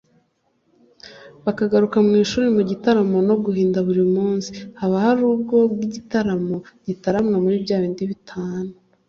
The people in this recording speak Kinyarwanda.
Bakagaruka mu ishuri mu gitaramo no guhinda ( buri munsi haba hari ubwo bw'Igitaramo gitaramwa muri byabindi bitanu)